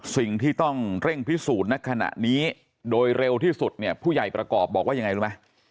สิ่งที่ต้องเร่งพิสูจน์ในขณะนี้โดยเร็วที่สุดเนี่ยผู้ใหญ่ประกอบบอกว่ายังไงรู้ไหม